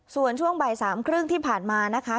ส่วนช่วงบ่ายสามครึ่งที่ผ่านมานะคะ